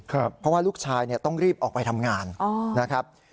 เพราะว่าลูกชายต้องรีบออกไปทำงานนะครับ